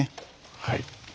はい。